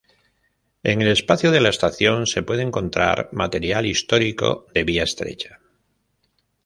En el espacio de la estación se puede encontrar material histórico de vía estrecha.